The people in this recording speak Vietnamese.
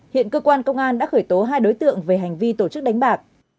hiện cơ quan công an đã khởi tố hai đối tượng về hành vi tổ chức đánh bạc